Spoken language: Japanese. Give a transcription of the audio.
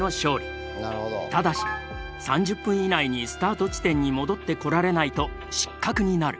ただし３０分以内にスタート地点に戻ってこられないと失格になる。